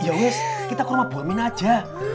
ya wess kita ke rumah bu aminah aja